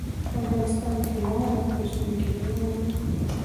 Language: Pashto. په افغانستان کې واوره په ژمي کې ډېره اوري.